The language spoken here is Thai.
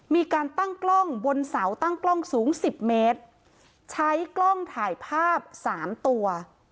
มีการตั้งกล้องบนเสาตั้งกล้องสูงสิบเมตรใช้กล้องถ่ายภาพสามตัว